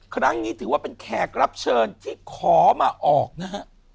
ครั้งนี้ถือว่าเป็นแขกรับเชิญที่ขอมาออกนะฮะ